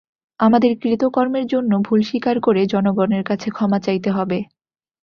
আমাদের কৃতকর্মের জন্য ভুল স্বীকার করে জনগণের কাছে ক্ষমা চাইতে হবে।